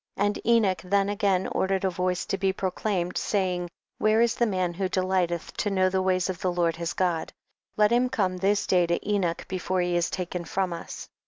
30. And Enoch then again ord ered a voice to be proclaimed, say ing, where is the man who delight eth to know the ways of the Lord his God, let him come this day to Enoch before he is taken from us.